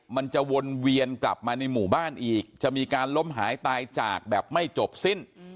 มันจะวนเวียนกลับมาในหมู่บ้านอีกจะมีการล้มหายตายจากแบบไม่จบสิ้น